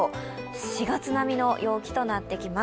４月並みの陽気となってきます。